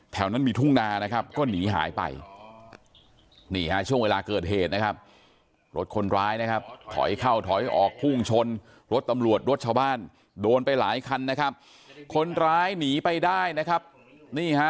แถวนั้นมีทุ่งนานะครับก็หนีหายไปนี่ฮะช่วงเวลาเกิดเหตุนะครับรถคนร้ายนะครับถอยเข้าถอยออกพุ่งชนรถตำรวจรถชาวบ้านโดนไปหลายคันนะครับคนร้ายหนีไปได้นะครับนี่ฮะ